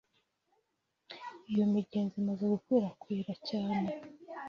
Iyo migenzo imaze gukwirakwira cyane.